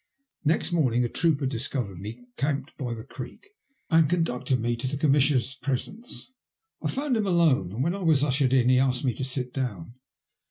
Next morning a trooper discovered me camped by 80 THE LUST OP HATE. the Greek, and conducted me to the Commissioner's presence. I found him alone, and when I was ushered in he asked me to sit down.